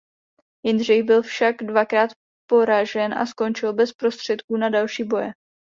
Jindřich byl však dvakrát poražen a skončil bez prostředků na další boje.